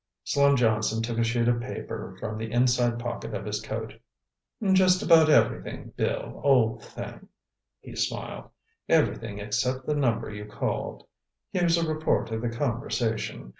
Slim Johnson took a sheet of paper from the inside pocket of his coat. "Just about everything, Bill, old thing," he smiled. "Everything except the number you called. Here's a report of the conversation.